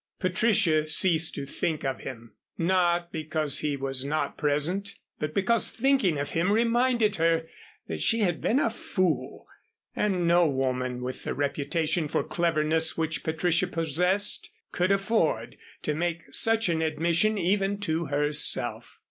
Patricia ceased to think of him, not because he was not present, but because thinking of him reminded her that she had been a fool, and no woman with the reputation for cleverness which Patricia possessed, could afford to make such an admission even to herself.